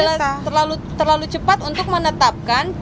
tidak terlalu cepat untuk menetapkan